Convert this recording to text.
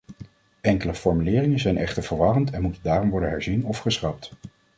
Enkele formuleringen zijn echter verwarrend en moeten daarom worden herzien of geschrapt.